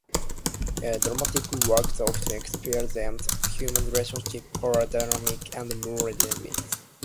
Dramatic works often explore themes of human relationships, power dynamics, and moral dilemmas.